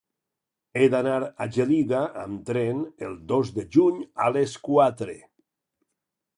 He d'anar a Gelida amb tren el dos de juny a les quatre.